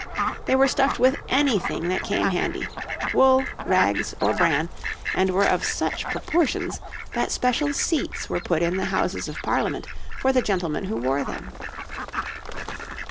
They were stuffed with anything that came handy wool, rags, or bran and were of such proportions that special seats were put in the Houses of Parliament for the gentlemen who wore them.